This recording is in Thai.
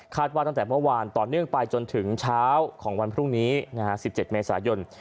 ว่าตั้งแต่เมื่อวานต่อเนื่องไปจนถึงเช้าของวันพรุ่งนี้๑๗เมษายน